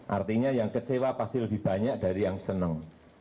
artinya yang kecewa pasti lebih banyak dari yang senang